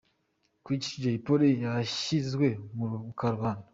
Kuki Jay Polly yashyizwe ku ruhande?.